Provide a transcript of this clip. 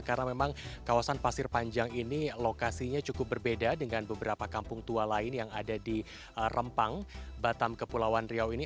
karena memang kawasan pasir panjang ini lokasinya cukup berbeda dengan beberapa kampung tua lain yang ada di rempang batam kepulauan riau ini